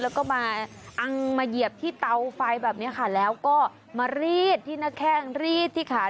แล้วก็มาอังมาเหยียบที่เตาไฟแบบนี้ค่ะแล้วก็มารีดที่หน้าแข้งรีดที่ขา